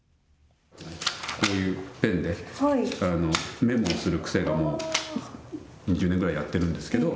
こういう、ペンでメモをする癖がもう２０年くらいやってるんですけど。